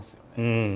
うん。